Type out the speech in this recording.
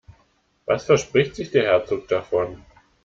Was verspricht sich der Herzog davon?